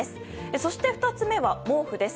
そして、２つ目は毛布です。